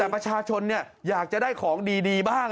ประชาชนเนี่ยอยากจะได้ของดีบ้าง